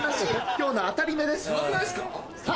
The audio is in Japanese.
「今日の当たり目」です。